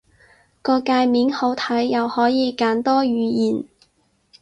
個介面好睇，又可以揀多語言